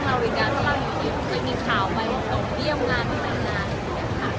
แค่เราแค่มีคนมาชื่นใจก็เราไม่ได้คุยสั่งอย่างเราไม่ได้คุยสั่งนี่แล้วครันแค่เรามี